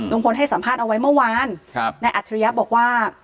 ลุงพลให้สัมภาษณ์เอาไว้เมื่อวานครับในอัธิริยะบอกว่า